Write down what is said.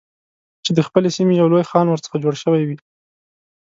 چې د خپلې سیمې یو لوی خان ورڅخه جوړ شوی وي.